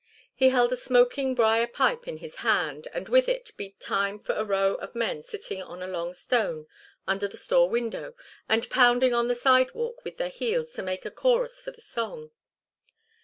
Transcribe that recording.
He held a smoking briar pipe in his hand, and with it beat time for a row of men sitting on a long stone under the store window and pounding on the sidewalk with their heels to make a chorus for the song.